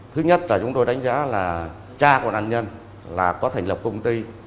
thứ nhất là chúng tôi đánh giá là cha của nạn nhân là có thành lập công ty